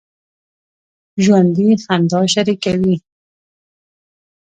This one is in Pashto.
ژوندي خندا شریکه وي